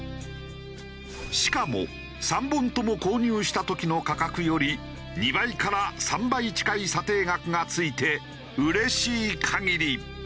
しかも３本とも購入した時の価格より２倍から３倍近い査定額がついて嬉しい限り。